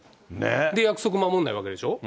で、約束守んないわけでしょ？